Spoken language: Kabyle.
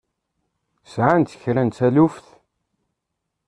Sɛant kra n taluft?